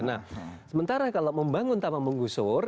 nah sementara kalau membangun tanpa menggusur